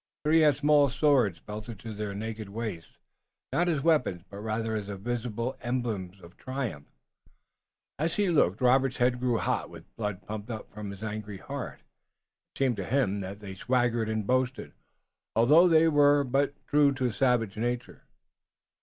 Three had small swords belted to their naked waists, not as weapons, but rather as the visible emblems of triumph. As he looked, Robert's head grew hot with the blood pumped up from his angry heart. It seemed to him that they swaggered and boasted, although they were but true to savage nature.